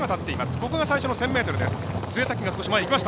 ここが最初の１０００ｍです。